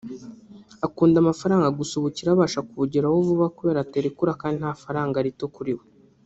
Akunda amafaranga gusa ubukire abasha kubugeraho vuba kubera atarekura kandi nta faranga rito kuri we